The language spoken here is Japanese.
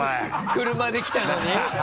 車で来たのに？